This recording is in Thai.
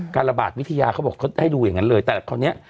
การระบาดวิทยาเขาบอกเขาให้ดูอย่างนั้นเลยแต่คราวนี้